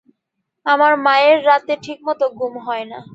আমার মায়ের রাতে ঠিকমত ঘুম হয় না।